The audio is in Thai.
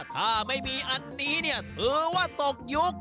ถ้าไม่มีอันนี้เนี่ยถือว่าตกยุค